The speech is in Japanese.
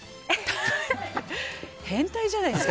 変態じゃないですか。